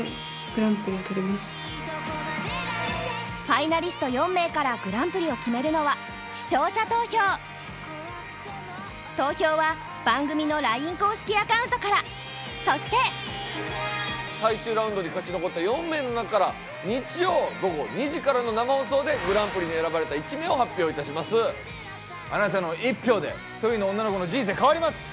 ファイナリスト４名からグランプリを決めるのは視聴者投票投票は番組のＬＩＮＥ公式アカウントからそして最終ラウンドに勝ち残った４名の中から日曜午後２時からの生放送でグランプリに選ばれた１名を発表いたしますあなたの１票で１人の女の子の人生変わります